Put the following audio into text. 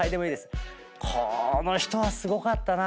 この人はすごかったな。